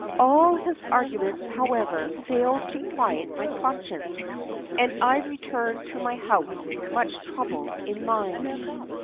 All his arguments, however, failed to quiet my conscience, and I returned to my house much troubled in mind.